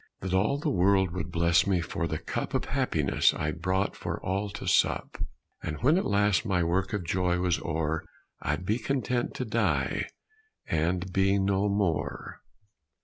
That all the world would bless me for the cup Of happiness I'd brought for all to sup. And when at last my work of joy was o'er I'd be content to die, and be no more!